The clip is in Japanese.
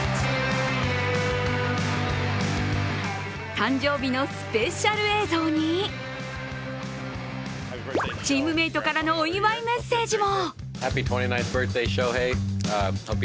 誕生日のスペシャル映像にチームメイトからのお祝いメッセージも。